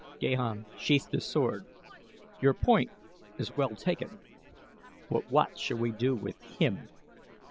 Gahan sheathed his sword. "Your point is well taken; but what shall we do with him?"